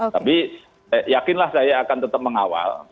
tapi yakinlah saya akan tetap mengawal